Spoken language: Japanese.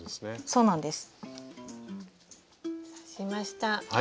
そうなんです。